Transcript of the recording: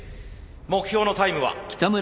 目標のタイムは？